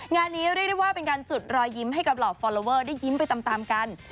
งานนี้ได้ได้ว่าเป็นการจุดรอยยิ้มให้กับหลอกฟอร์โลเวอร์ได้ยิ้มไปตามตามกัน